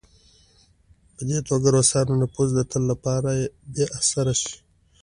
په دې توګه د روسانو نفوذ د تل لپاره بې اثره شي.